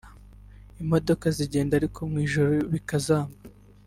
imodoka zigenda ariko mu ijoro bikazamba